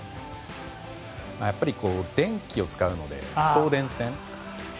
やっぱり電気を使うので送電線？